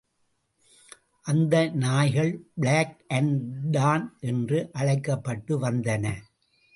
அந்த நாய்கள் black and tan என்று அழைக்கப்பட்டு வந்தன.